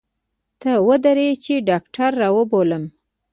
ته ودرې چې ډاکتر راوبولم.